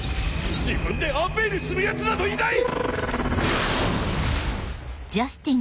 自分でアンベイルする奴などいない！